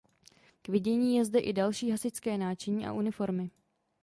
K vidění je zde i další hasičské náčiní a uniformy.